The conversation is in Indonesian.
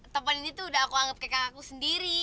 topan ini tuh udah aku anggap kayak kakakku sendiri